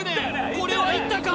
これはいったか！？